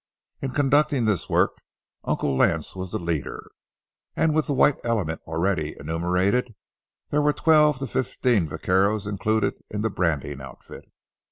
In conducting this work, Uncle Lance was the leader, and with the white element already enumerated, there were twelve to fifteen vaqueros included in the branding outfit.